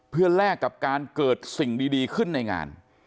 เพื่อแลกกับการเกิดสิ่งดีขึ้นในงาน